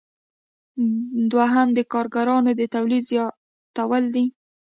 دوهم د کاریګرانو د تولید زیاتول دي.